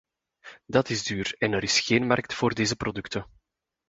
Dat is duur en er is geen markt voor deze producten.